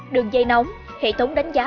đường dây nóng hệ thống đánh giá